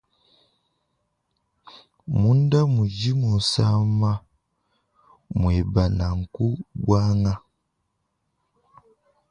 Munda mudi musama mueba naku buanga.